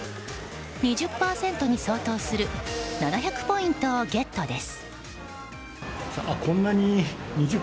２０％に相当する７００ポイントをゲットです。